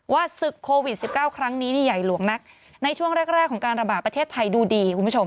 ศึกโควิด๑๙ครั้งนี้นี่ใหญ่หลวงนักในช่วงแรกของการระบาดประเทศไทยดูดีคุณผู้ชม